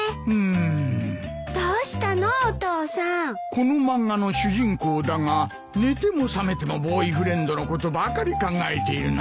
この漫画の主人公だが寝ても覚めてもボーイフレンドのことばかり考えているな。